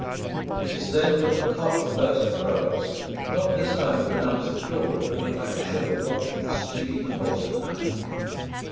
It is then that the cock first crows, not this time to announce the dawn, but like a cheerful watchman speeding the course of night.